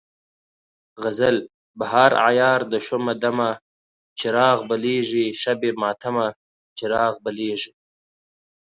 غزل: بهار عیار ده شومه دمه، چراغ بلیږي شبِ ماتمه، چراغ بلیږي